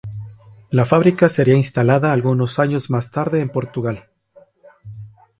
La fábrica sería instalada algunos años más tarde en Portugal.